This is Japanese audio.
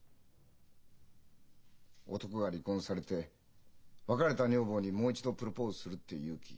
男が離婚されて別れた女房にもう一度プロポーズするって勇気